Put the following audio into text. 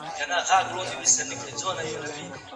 د ټولو فاميلونو وس په درنو مصارفو نه رسيږي.